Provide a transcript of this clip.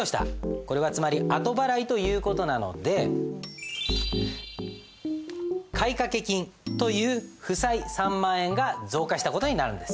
これはつまり後払いという事なので買掛金という負債３万円が増加した事になるんです。